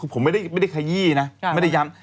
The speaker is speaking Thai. ผมไม่ได้ขยี้นะไม่ได้ย้ำ